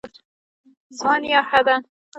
زما نیا ښه ده